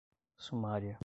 sumária